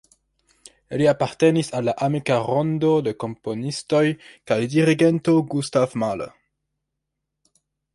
Li apartenis al la amika rondo de komponisto kaj dirigento Gustav Mahler.